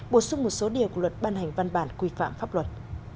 bổ sung một số điều của luật ban hành văn bản quy phạm pháp luật